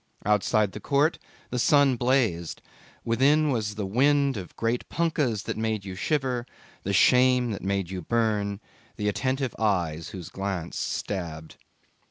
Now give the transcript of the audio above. Outside the court the sun blazed within was the wind of great punkahs that made you shiver, the shame that made you burn, the attentive eyes whose glance stabbed.